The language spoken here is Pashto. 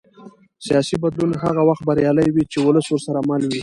سیاسي بدلون هغه وخت بریالی وي چې ولس ورسره مل وي